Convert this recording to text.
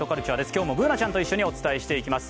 今日もＢｏｏｎａちゃんと一緒にお伝えしていきます。